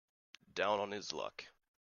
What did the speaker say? Down on his luck.